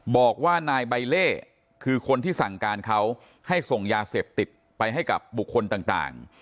บอกว่านายใบเล่คือคนที่สั่งการเขาให้ส่งยาเสพติดไปให้กับบุคคลต่าง